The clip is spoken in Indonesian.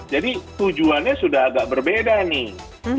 jadi tujuannya sudah agak berbeda nih